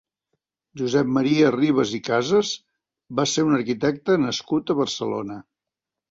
Josep Maria Ribas i Casas va ser un arquitecte nascut a Barcelona.